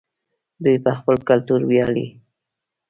دوی په خپل کلتور ویاړي.